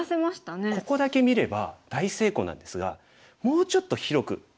ここだけ見れば大成功なんですがもうちょっと広く見てほしいんですよね。